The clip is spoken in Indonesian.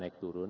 ada naik turun